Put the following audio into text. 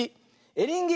エリンギ。